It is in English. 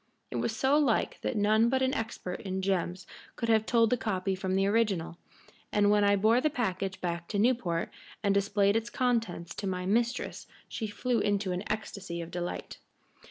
It was so like that none but an expert in gems could have told the copy from the original, and when I bore the package back to Newport and displayed its contents to my mistress she flew into an ecstasy of delight.